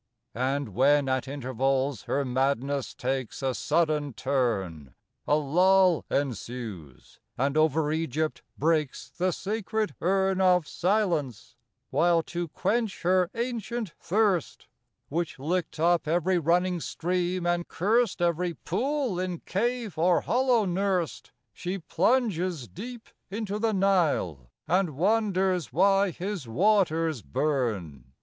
And when at intervals her madness takes A sudden turn, A lull ensues and over Egypt breaks The sacred urn Of silence; while to quench her ancient thirst, Which licked up every running stream and cursed Every pool in cave or hollow nursed, She plunges deep into the Nile and wonders why his waters burn.